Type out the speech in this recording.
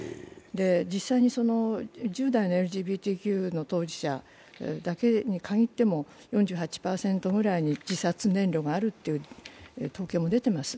実際に、１０代のＬＧＢＴＱの当事者にかぎっても４８％くらいに自殺念慮があるという統計も出ています。